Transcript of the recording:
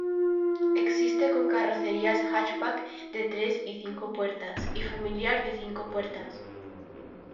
Existe con carrocerías hatchback de tres y cinco puertas, y familiar de cinco puertas.